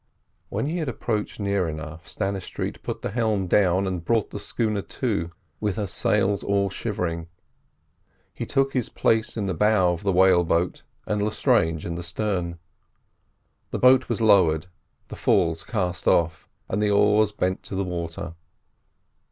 When he had approached near enough, Stannistreet put the helm down and brought the schooner to, with her sails all shivering. He took his place in the bow of the whale boat and Lestrange in the stern. The boat was lowered, the falls cast off, and the oars bent to the water.